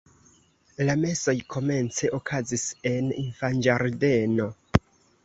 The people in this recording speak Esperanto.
La mesoj komence okazis en infanĝardeno.